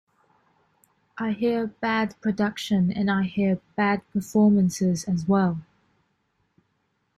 I hear bad production and I hear bad performances as well.